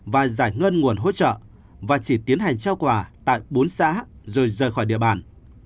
và giải ngân nguồn hỗ trợ và chỉ tiến hành trao quà tại bốn xã rồi rời khỏi địa bàn